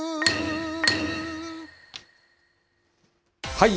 はい。